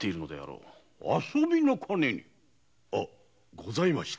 ございました。